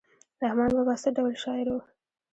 رحمان بابا څه ډول شاعر و؟